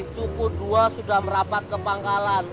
cuku dua sudah merapat ke pangkalan